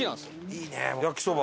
いいね焼きそば。